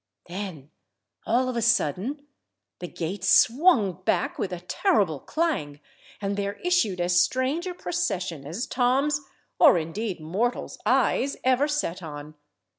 Then, all of a sudden, the gates swung back with a terrible clang, and there issued as strange a procession as Tom's, or indeed mortal's, eyes ever set on.